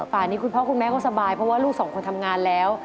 ป่านี้คุณพ่อคุณแม่ก็สบายเพราะว่าลูกสองคนทำงานแล้ว